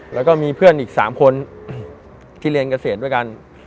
แล้วก็มีเพื่อนอีก๓คนที่เรียนเกษตรด้วยกัน